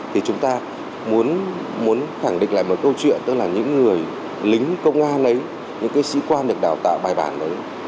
thì chúng ta muốn khẳng định lại một câu chuyện tức là những người lính công an ấy những cái sĩ quan được đào tạo bài bản đấy